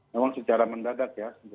memang secara mendadak